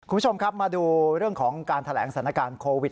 คุณผู้ชมครับมาดูเรื่องของการแถลงสถานการณ์โควิด